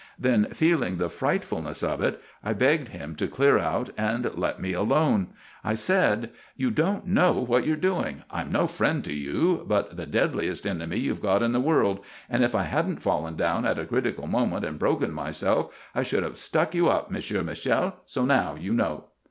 Then, feeling the frightfulness of it, I begged him to clear out and let me alone. I said: "'You don't know what you're doing. I'm no friend to you, but the deadliest enemy you've got in the world, and if I hadn't fallen down at a critical moment and broken myself I should have stuck you up, Monsieur Michel. So, now, you know.